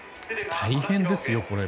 大変ですよ、これ。